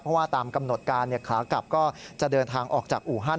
เพราะว่าตามกำหนดการขากลับก็จะเดินทางออกจากอู่ฮัน